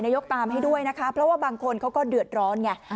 ยกตามให้ด้วยนะคะเพราะว่าบางคนเขาก็เดือดร้อนไง